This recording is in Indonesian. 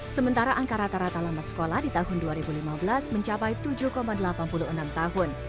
sementara angka rata rata lama sekolah di tahun dua ribu lima belas mencapai tujuh delapan puluh enam tahun